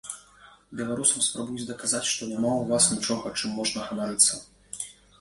Беларусам спрабуюць даказаць, што няма ў вас нічога, чым можна ганарыцца.